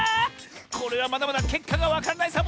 これはまだまだけっかがわからないサボ！